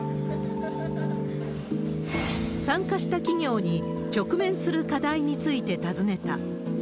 参加した企業に、直面する課題について尋ねた。